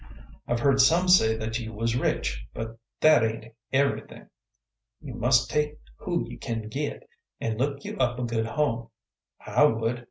I've heard some say that you was rich, but that ain't every thin'. You must take who you can git, and look you up a good home; I would.